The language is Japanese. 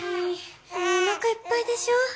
もうおなかいっぱいでしょ？